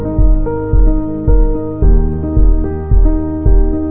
masa masa menghadapi pandemi